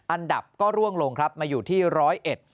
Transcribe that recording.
อันดับก็ร่วงลงครับมาอยู่ที่ร้อยเอ็ด